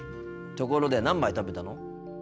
ところで何杯食べたの？